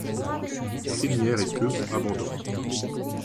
Crinière et queue sont abondants.